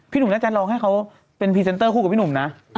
หนุ่มน่าจะลองให้เขาเป็นพรีเซนเตอร์คู่กับพี่หนุ่มนะ